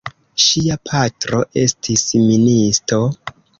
Ŝia patro estis ministo.